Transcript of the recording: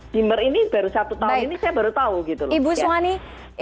dimer ini baru satu tahun ini saya baru tahu